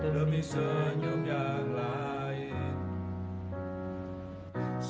demi senyum yang lain